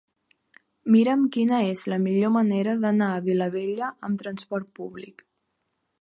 Mira'm quina és la millor manera d'anar a Vilabella amb trasport públic.